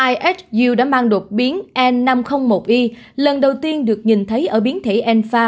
ihu đã mang đột biến e năm trăm linh một y lần đầu tiên được nhìn thấy ở biến thể enpha